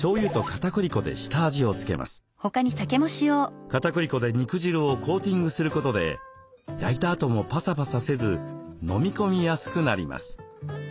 かたくり粉で肉汁をコーティングすることで焼いたあともパサパサせず飲み込みやすくなります。